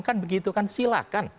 kan begitu kan silakan